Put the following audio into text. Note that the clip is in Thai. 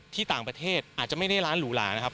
ที่ต่างประเทศอาจจะไม่ได้ร้านหรูหลานะครับ